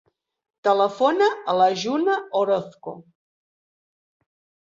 Telefona a la Juna Orozco.